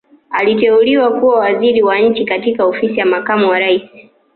aliteuliwa kuwa Waziri wa nchi katika ofisi ya makamu wa raisi